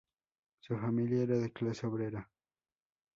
Su familia era de clase obrera.